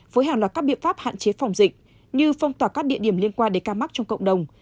với hàng loạt các biện pháp hạn chế phòng dịch như phong tỏa các địa điểm liên quan đến ca mắc trong cộng đồng